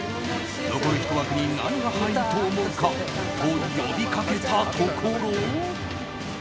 残る１枠に何が入ると思うか？と呼びかけたところ。